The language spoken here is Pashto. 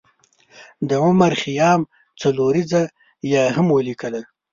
د عمر خیام څلوریځه یې هم ولیکله.